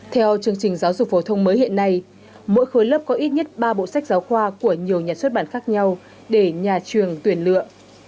theo chương trình giáo dục phổ thông mới hiện nay mỗi khối lớp có ít nhất ba bộ sách giáo khoa của nhiều nhà xuất bản khác nhau để nhà trường tuyển lựa